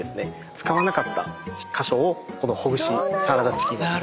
使わなかった箇所をほぐしサラダチキンに。